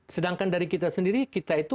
sedangkan dari kita sendiri kita itu